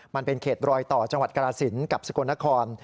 มันเป็นเขตรอยต่อจังหวัดกราศิลป์กับสกลนคร